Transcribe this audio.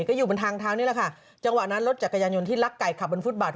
ก็อยู่บนทางเท้านี่แหละค่ะจังหวะนั้นรถจักรยานยนต์ที่ลักไก่ขับบนฟุตบาท